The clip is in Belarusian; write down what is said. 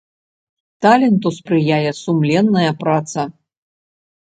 Таленту спрыяе сумленная праца.